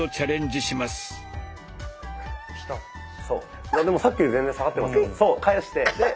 そうさっきより全然下がってますよ。